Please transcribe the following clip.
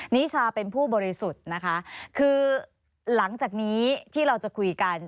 นิชาเป็นผู้บริสุทธิ์นะคะคือหลังจากนี้ที่เราจะคุยกัน